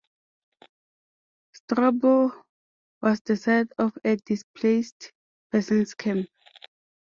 Strobl was the site of a Displaced Persons camp.